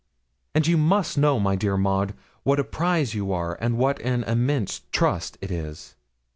And you must know, my dear Maud, what a prize you are, and what an immense trust it is.'